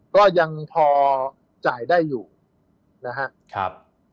ก็ยังพอจ่ายได้อยู่นะครับ